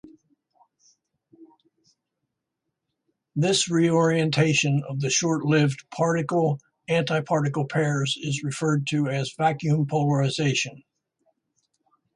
This reorientation of the short-lived particle-antiparticle pairs is referred to as vacuum polarization.